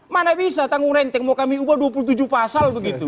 mana bisa tanggung renteng mau kami ubah dua puluh tujuh pasal begitu